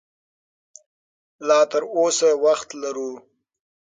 لا تراوسه وخت لرو